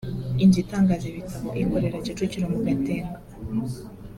inzu itangaza ibitabo ikorera Kicukiro mu Gatenga